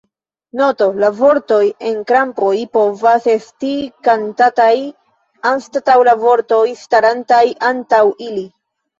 Noto: La vortoj en krampoj povas esti kantataj anstataŭ la vortoj starantaj antaŭ ili.